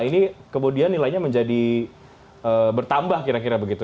ini kemudian nilainya menjadi bertambah kira kira begitu